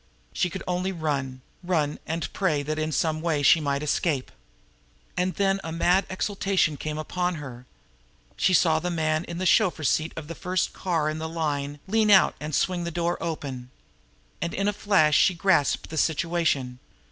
She could only run run, and pray that in some way she might escape. And then a mad exultation came upon her. She saw the man in the chauffeur's seat of the first car in the line lean out and swing the door open. And in a flash she grasped the situation.